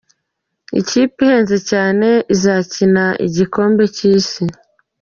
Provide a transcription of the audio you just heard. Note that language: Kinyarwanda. Ikipe ihenze cyane izakina igikombe cy’Isi.